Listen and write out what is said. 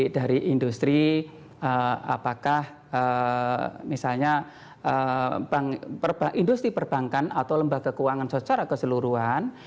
dari industri apakah misalnya industri perbankan atau lembaga keuangan secara keseluruhan